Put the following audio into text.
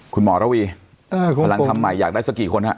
ระวีพลังทำใหม่อยากได้สักกี่คนฮะ